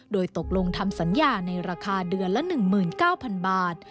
โดยตกลงทำสัญญาในราคาเดือนละ๑๙๐๐บาท